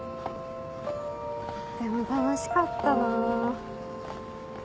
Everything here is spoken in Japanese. でも楽しかったな。